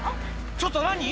「ちょっと何？